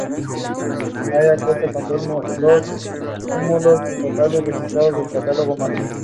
Hidra cuenta con dos cúmulos estelares registrados en el catálogo Messier.